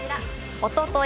おととい